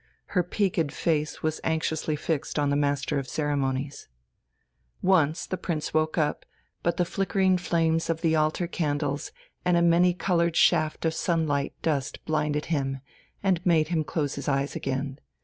Her peaked face was anxiously fixed on the Master of the Ceremonies.... Once the Prince woke up, but the flickering flames of the altar candles and a many coloured shaft of sunlight dust blinded him, and made him close his eyes again.